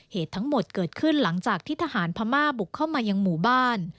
เหตุทั้งหมดเกิดขึ้นหลังจากที่ทหารพม่าบุกเข้ามายังหมู่บ้าน